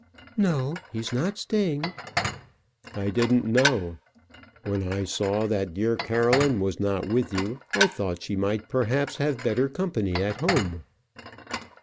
"No; he's not staying." "I didn't know: when I saw that dear Caroline was not with you, I thought she might perhaps have better company at home."